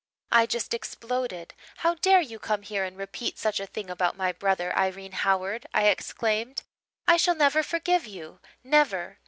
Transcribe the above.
"I just exploded. 'How dare you come here and repeat such a thing about my brother, Irene Howard?' I exclaimed. 'I shall never forgive you never.